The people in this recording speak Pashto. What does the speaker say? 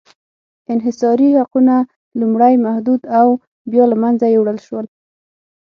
انحصاري حقونه لومړی محدود او بیا له منځه یووړل شول.